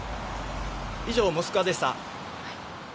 以上、モスクワでした。